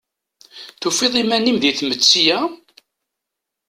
Tufiḍ iman-im di tmetti-a?